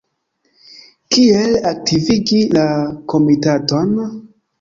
Kiel aktivigi la Komitaton?